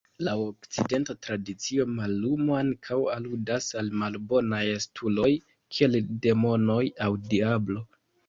Laŭ Okcidenta tradicio, mallumo ankaŭ aludas al malbonaj estuloj, kiel demonoj aŭ Diablo.